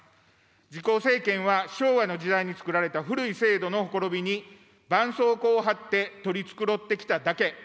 自公政権は昭和の時代につくられた古い制度のほころびにばんそうこうを貼って取り繕ってきただけ。